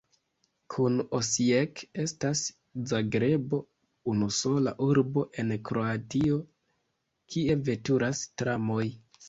Kun Osijek estas Zagrebo unusola urbo en Kroatio, kie veturas tramoj.